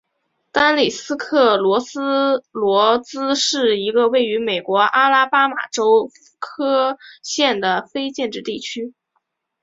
丹利斯克罗斯罗兹是一个位于美国阿拉巴马州科菲县的非建制地区。